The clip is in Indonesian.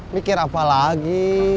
mikir apa lagi